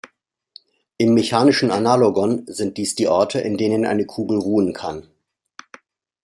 Im mechanischen Analogon sind dies die Orte, in denen eine Kugel ruhen kann.